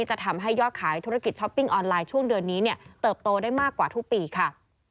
จะทำให้ยอดขายธุรกิจช้อปปิ้งออนไลน์ช่วงเดือนนี้เนี่ยเติบโตได้มากกว่าทุกปีค่ะ